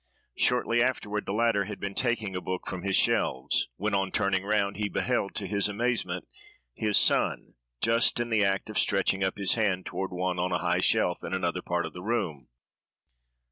Shortly afterward, the latter had been taking a book from his shelves, when, on turning round, he beheld, to his amazement, his son just in the act of stretching up his hand toward one on a high shelf in another part of the room.